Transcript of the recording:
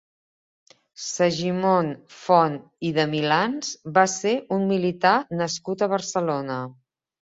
Segimon Font i de Milans va ser un militar nascut a Barcelona.